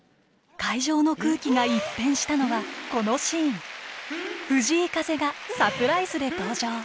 会場の空気が一変したのはこのシーン藤井風がサプライズで登場！